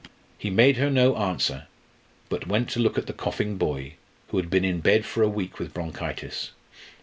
He made her no answer, but went to look at the coughing boy, who had been in bed for a week with bronchitis.